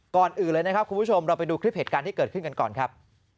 ก่อนอื่นเลยนะครับคุณผู้ชมเราไปดูคลิปเหตุการณ์ที่เกิดขึ้นกันก่อนครับ